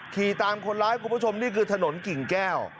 ขี่ตามคนร้ายคุณผู้ชมนี่คือถนนกิ่งแก้ว